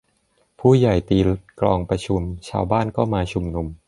ผู้ใหญ่ลีตีกลองประชุม ชาวบ้านก็มาชุมนุม